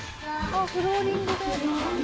あっフローリングだ。